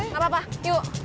gak apa apa yuk